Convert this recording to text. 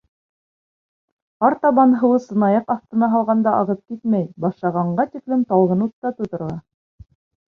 Артабан һыуы сынаяҡ аҫтына һалғанда ағып китмәй башлағанға тиклем талғын утта тоторға.